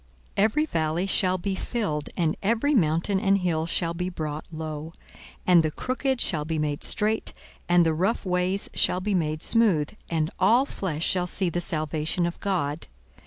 42:003:005 Every valley shall be filled, and every mountain and hill shall be brought low; and the crooked shall be made straight, and the rough ways shall be made smooth; 42:003:006 And all flesh shall see the salvation of God.